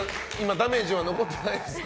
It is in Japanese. ダメージは残ってないですか？